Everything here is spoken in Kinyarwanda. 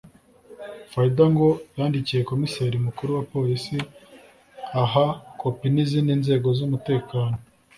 Faida ngo yandikiye komiseri mukuru wa Polisi aha kopi n’izindi nzego z’umutekano